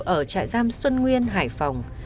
ở trại giam xuân nguyên hải phòng